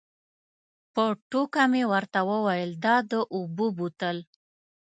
په ټوکه مې ورته وویل دا د اوبو بوتل.